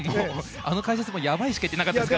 あの解説もやばいしか言ってなかったです。